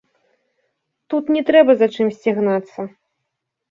Тут не трэба за чымсьці гнацца.